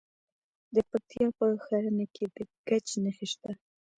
د پکتیکا په ښرنه کې د ګچ نښې شته.